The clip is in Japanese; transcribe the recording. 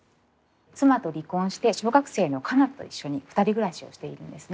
妻と離婚して小学生の夏菜と一緒に２人暮らしをしているんですね。